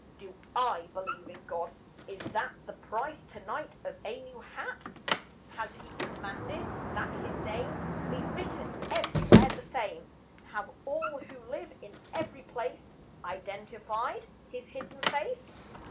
`Do I believe in God?' Is that The price tonight of a new hat? Has He commanded that His name Be written everywhere the same? Have all who live in every place Identified His hidden face?